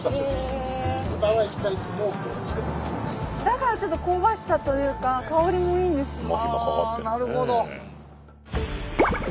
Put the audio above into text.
だからちょっと香ばしさというか香りもいいんですよ。